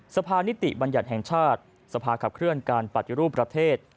สภานิติบัญญัติแห่งชาติสภาขับเคลื่อนการปฏิรูปประเทศ